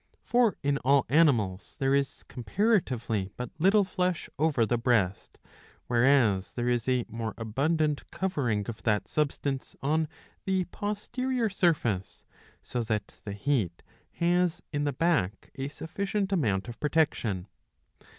For in all animals there is comparatively but little flesh over the breast, whereas there is a more abundant covering of that substance on the posterior surface, so that the heat has in the back a sufficient amount of protection.